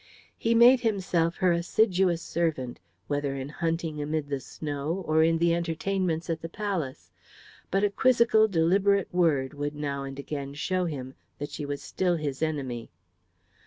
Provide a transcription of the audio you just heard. He made himself her assiduous servant, whether in hunting amid the snow or in the entertainments at the palace, but a quizzical deliberate word would now and again show him that she was still his enemy.